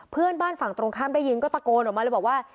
เพื่อนบ้านฝั่งตรงข้ามได้ยินก็ตะโกนออกมาเลยบอกว่า